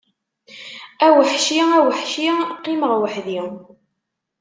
A weḥci, a weḥci, qqimeɣ weḥdi!